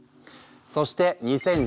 そして２０１０年。